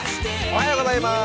おはようございます。